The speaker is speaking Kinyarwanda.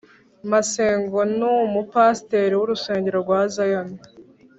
masengo numu pasiteri wurusengero rwa zion